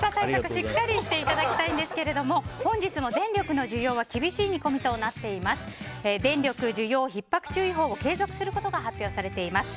しっかりしていただきたいんですが本日も電力の需給は厳しい見込みとなています。